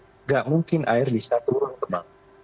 tidak mungkin air bisa turun ke bawah